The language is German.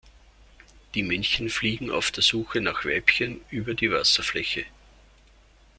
Die Männchen fliegen auf der Suche nach Weibchen über die Wasserfläche.